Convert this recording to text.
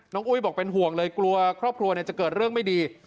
อุ้ยบอกเป็นห่วงเลยกลัวครอบครัวจะเกิดเรื่องไม่ดี